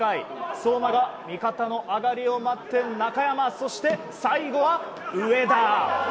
相馬が味方の上がりを待って中山そして最後は上田。